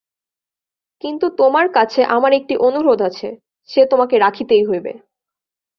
কিন্তু তোমার কাছে আমার একটি অনুরোধ আছে, সে তোমাকে রাখিতেই হইবে।